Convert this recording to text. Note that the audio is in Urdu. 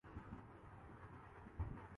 چند منٹ بھی نکالنا ممکن نہ ہوں۔